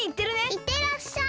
いってらっしゃい！